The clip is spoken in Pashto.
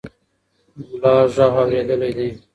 ملا غږ اورېدلی دی.